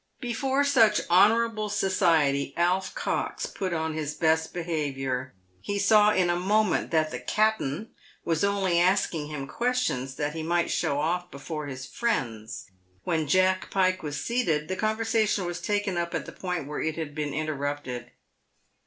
Before such honourable society Alf Cox put on his best behaviour. He saw in a moment that the " cap'en" was only asking him ques tions that he might show off before his friends. When Jack Pike was seated, the conversation was taken up at the point where it had been interrupted.